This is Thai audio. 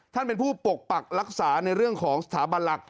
ท่านเป็นผู้ปกปักรักษาในเรื่องของสถาบันหลัก